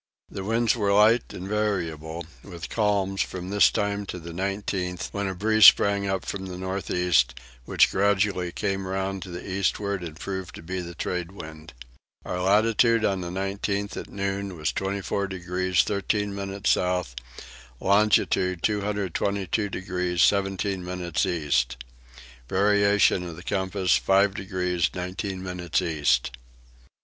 The winds were light and variable with calms from this time to the 19th, when a breeze sprang up from the north east, which gradually came round to the eastward and proved to be the tradewind. Our latitude on the 19th at noon was 24 degrees 13 minutes south, longitude 222 degrees 17 minutes east. Variation of the compass 5 degrees 19 minutes east.